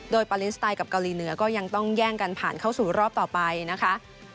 โดยปาเลนสไตล์กับเกาหลีเหนือก็ยังต้องแย่งกันผ่านเข้าสู่รอบต่อไปนะคะ